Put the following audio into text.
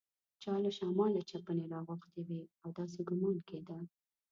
چا له شماله چپنې راغوښتي وې او داسې ګومان کېده.